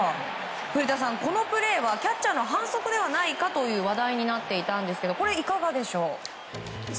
古田さん、このプレーはキャッチャーの反則ではないかと話題になっていたんですけどこれ、いかがでしょう？